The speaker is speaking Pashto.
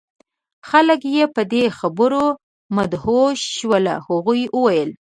خلک یې په دې خبرو مدهوش شول. هغوی وویل: